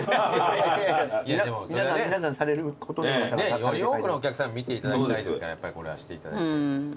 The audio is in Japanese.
それはねより多くのお客さん見ていただきたいですからやっぱりこれはしていただいて。